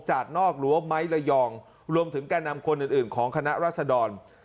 จากนอกรั้วไม้ระยองรวมถึงแก่นำคนอื่นอื่นของคณะรัศดร